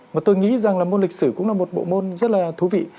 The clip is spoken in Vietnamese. mà tôi nghĩ rằng là môn lịch sử cũng là một bộ môn rất là thú vị